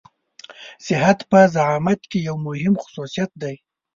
صحت په زعامت کې يو مهم خصوصيت دی.